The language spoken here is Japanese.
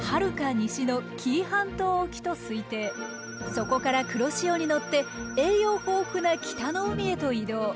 そこから黒潮に乗って栄養豊富な北の海へと移動。